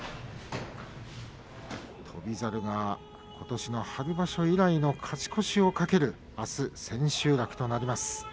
翔猿がことしの春場所以来の勝ち越しを懸けるあす千秋楽となります。